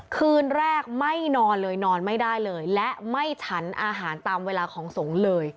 คืนแรกไม่นอนเลยนอนไม่ได้เลยและไม่ฉันอาหารตามเวลาของสงฆ์เลย